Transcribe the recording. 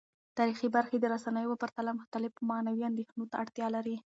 تاریخي برخې د رسنیو په پرتله مختلفو معنوي اندیښنو ته اړتیا لري.